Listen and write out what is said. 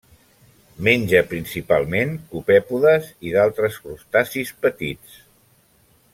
Menja principalment copèpodes i d'altres crustacis petits.